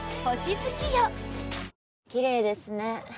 鈴：きれいですね。